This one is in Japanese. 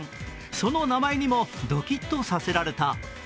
その名前にもドキッとさせられた。